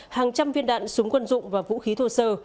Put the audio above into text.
hàng trăm viên đạn súng quân dụng và vũ khí thô sơ